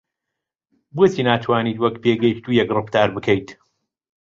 بۆچی ناتوانیت وەک پێگەیشتوویەک ڕەفتار بکەیت؟